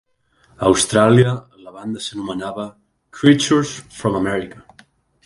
A Austràlia, la banda s'anomenava "Creatures From America".